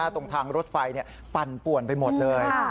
ตรงทางรถไฟปั่นป่วนไปหมดเลย